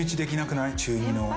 中２の。